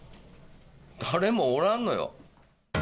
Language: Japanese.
誰もおらんのよ。